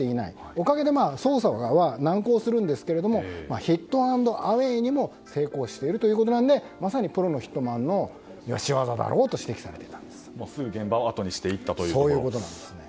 おかげで捜査は難航するんですけどヒット＆アウェーにも成功しているということでまさにプロのヒットマンの仕業だろうとすぐ現場をあとにしていったということ。